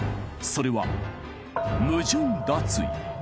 それは矛盾脱衣